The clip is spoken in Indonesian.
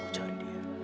kamu cari dia